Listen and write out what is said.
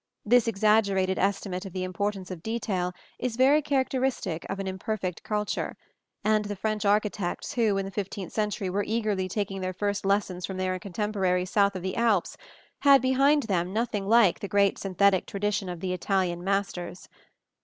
This exaggerated estimate of the importance of detail is very characteristic of an imperfect culture; and the French architects who in the fifteenth century were eagerly taking their first lessons from their contemporaries south of the Alps, had behind them nothing like the great synthetic tradition of the Italian masters.